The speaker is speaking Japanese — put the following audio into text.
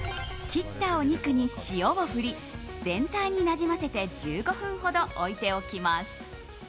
切ったお肉に塩を振り全体になじませて１５分ほど置いておきます。